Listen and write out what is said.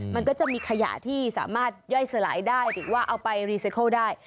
มันก็จะมีขยะที่สามารถย่อยสลายได้หรือว่าเอาไปรีไซเคิลได้